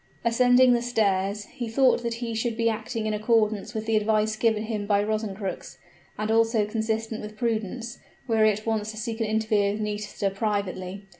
Ascending the stairs, he thought that he should be acting in accordance with the advice given him by Rosencrux, and also consistent with prudence, were he at once to seek an interview with Nisida privately.